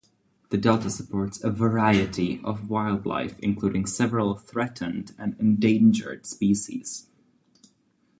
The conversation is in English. The delta supports a variety of wildlife, including several threatened and endangered species.